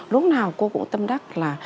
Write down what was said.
lúc nào cô cũng tâm đắc là